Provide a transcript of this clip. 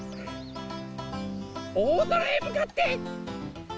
おおぞらへむかってゴー！